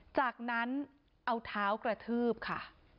จากนั้นเอาเท้ากระทืบค่ะ